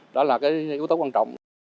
đó là cái yếu tố quan trọng